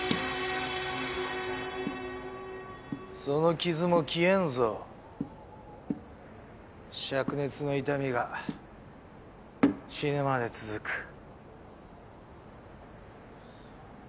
その傷も消えんぞ灼熱の痛みが死ぬまで続く